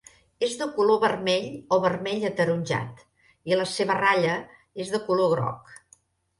És de color vermell o vermell ataronjat i la seva ratlla és de color groc.